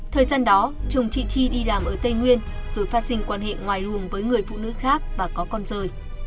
thời gian đó chồng chị tri đi làm ở tây nguyên rồi phát sinh quan hệ ngoài ruồng với người phụ nữ khác và có con rời